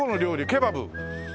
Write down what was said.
ケバブ。